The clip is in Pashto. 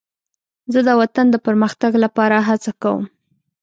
زه د وطن د پرمختګ لپاره هڅه کوم.